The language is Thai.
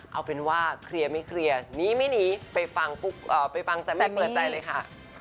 เอาเป็นว่าเคลียร์ไม่เคลียร์หนีไม่หนีไปฟังไปฟังแต่แม่เปิดใจเลยค่ะ